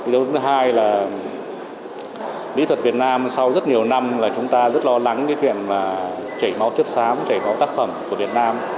điều thứ hai là lý thuật việt nam sau rất nhiều năm là chúng ta rất lo lắng chuyện chảy máu chất xám chảy máu tác phẩm của việt nam